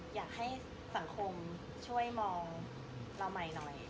อยากให้สังคมช่วยมองเราใหม่หน่อย